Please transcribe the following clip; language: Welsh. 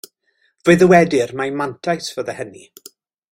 Fe ddywedir mai mantais fyddai hynny.